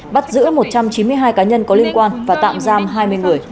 bắt giữ một trăm chín mươi hai cá nhân có liên quan và tạm giam hai mươi người